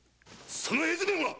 その絵図面は！？